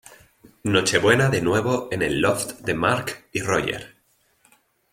Nochebuena de nuevo en el loft de Mark y Roger.